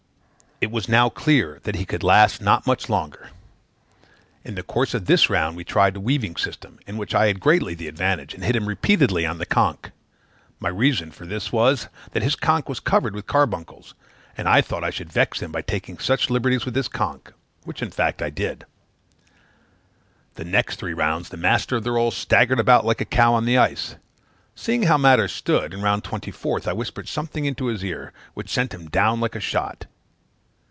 It was now clear that he could not last much longer. In the course of this round we tried the weaving system, in which I had greatly the advantage, and hit him repeatedly on the conk. My reason for this was, that his conk was covered with carbuncles; and I thought I should vex him by taking such liberties with his conk, which in fact I did. "The three next rounds, the master of the rolls staggered about like a cow on the ice. Seeing how matters stood, in round twenty fourth I whispered something into his ear, which sent him down like a shot.